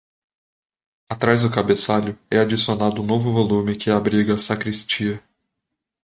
Atrás do cabeçalho, é adicionado um novo volume que abriga a sacristia.